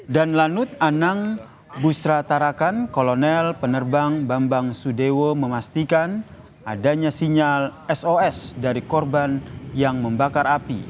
dan lanut anang busra tarakan kolonel penerbang bambang sudewo memastikan adanya sinyal sos dari korban yang membakar api